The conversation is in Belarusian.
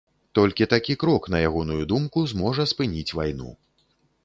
Толькі такі крок, на ягоную думку, зможа спыніць вайну.